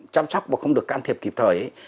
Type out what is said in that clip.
chăm sóc mà không được can thiệp kịp thời ấy